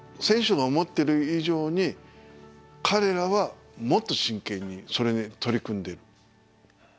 選手が思ってる以上に彼らはもっと真剣にそれに取り組んでいる。